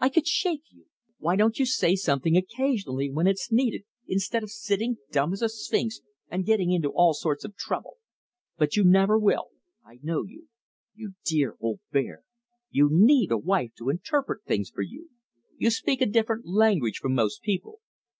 I could shake you! Why don't you say something occasionally when it's needed, instead of sitting dumb as a sphinx and getting into all sorts of trouble? But you never will. I know you. You dear old bear! You NEED a wife to interpret things for you. You speak a different language from most people."